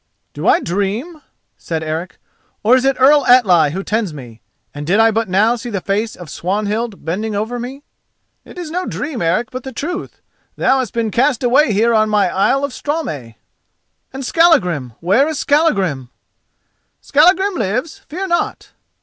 "Do I dream?" said Eric, "or is it Earl Atli who tends me, and did I but now see the face of Swanhild bending over me?" "It is no dream, Eric, but the truth. Thou hast been cast away here on my isle of Straumey." "And Skallagrim—where is Skallagrim?" "Skallagrim lives—fear not!"